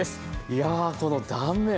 いやこの断面！